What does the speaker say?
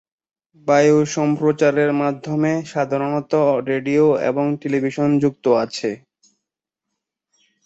বায়ু সম্প্রচারের মাধ্যমে সাধারণত রেডিও এবং টেলিভিশন যুক্ত আছে।